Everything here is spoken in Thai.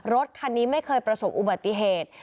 รถคันนี้ไม่เคยประสบอุบัติเหตุ